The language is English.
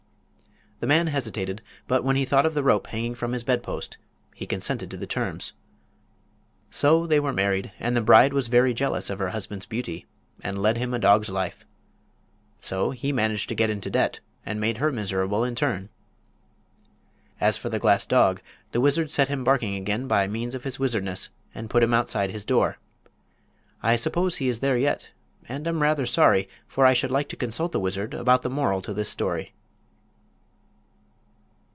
The man hesitated, but when he thought of the rope hanging from his bedpost he consented to the terms. So they were married, and the bride was very jealous of her husband's beauty and led him a dog's life. So he managed to get into debt and made her miserable in turn. As for the glass dog, the wizard set him barking again by means of his wizardness and put him outside his door. I suppose he is there yet, and am rather sorry, for I should like to consult the wizard about the moral to this story.